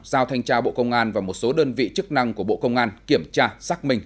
giao thanh tra bộ công an và một số đơn vị chức năng của bộ công an kiểm tra xác minh